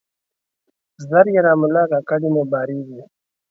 ژر يې را ملا که ، کډي مو بارېږي.